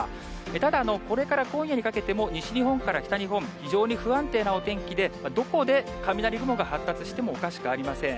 ただ、これから今夜にかけても、西日本から北日本、非常に不安定なお天気で、どこで雷雲が発達してもおかしくありません。